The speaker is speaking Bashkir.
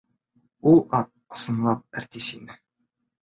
Ул ат ысынлап әртис ине.